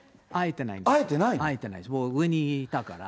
会えてないの、上にいたから。